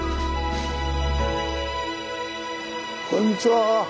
こんにちは。